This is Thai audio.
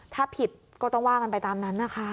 ถ้าผิดก็ต้องว่ากันไปตามนั้นนะคะ